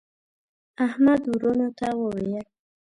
احمد وروڼو ته وویل: